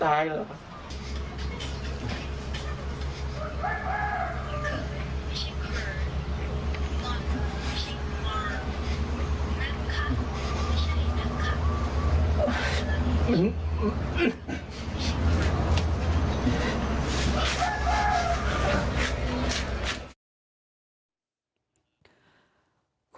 ไม่มีอะไรที่จะช่วยเราเลยหรอกนั้นค่ะไม่ใช่นั้นค่ะ